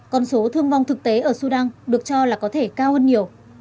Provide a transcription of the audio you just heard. còn số thương vong thực tế ở sudan được cho là có thể cao hơn nhiều